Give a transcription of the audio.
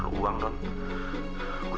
baik makin panjangin